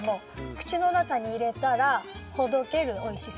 口の中に入れたらほどけるおいしさ。